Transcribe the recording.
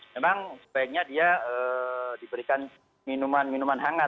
memang sebaiknya dia diberikan minuman minuman hangat